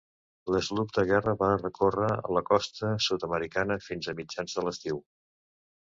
L'sloop de guerra va recórrer la costa sud-americana fins a mitjans de l'estiu.